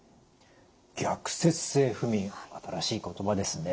逆説性不眠新しい言葉ですね。